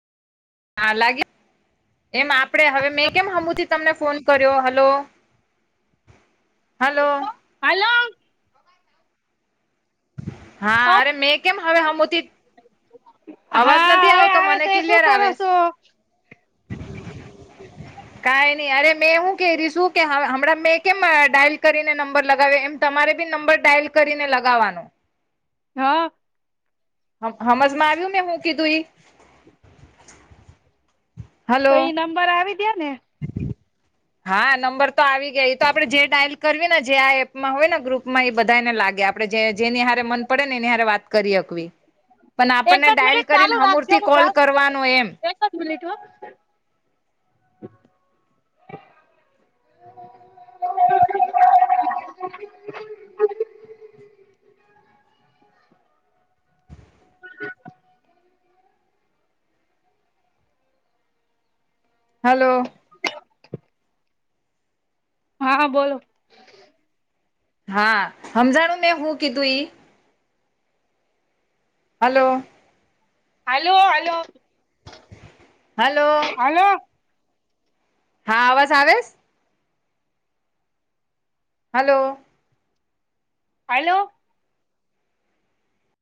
હા લાગે એમ આપડે હવે મેં કેમ હમુથી તમને ફોન કર્યો હલો હલો હલો. હા અરે મેં કેમ હવે હમુથી અવાજ નથી હવે આવતો આવે મને છે શું ક્લિયર કરો આવે છે. છો કઈ નઈ અરે મે હું કઈ રી શું કે હમણાં મેં કેમ ડાયલ કરીને નંબર નંબર લગાવ્યો એમ તમારે બી નંબર ડાયલ કરીને લગાવવાનો. હા. હમજમાં આવ્યું મેં હું કીધું એ તો હલો એ નંબર આવી દયો ને હા નંબર તો આવી ગયા તો આપડે જે ડાયલ કરવી ને જે આ એપમાં હોય ને ગ્રુપમાં એ બધાને લાગે આપ આપણે જે જેની હારે મન પડે ને એની હારે વાત કરી હકવી. પણ એક આપણને જ ડાયલ મિનિટ ચાલુ કરીને રાખજો અમૂરથી હું કોલ જાઉં છું કરવાનો એમ. એક જ મિનિટ હો. [inaudible] [inaudible] હેલો. [inaudible] હા બોલો. હા હમજાણું ને હું કીધું ઈ hello. Hello hello. Hello. Hello હા આવાજ આવેસ હલો. હલો.